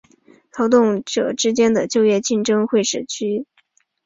劳动者之间的就业竞争会驱使工资水平下滑至仅能糊口的最低水平。